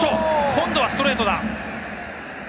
今度はストレートだ。